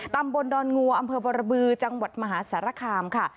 ตรับบนดรงวอำเภอบรบือจังหวัดมหาสารขาม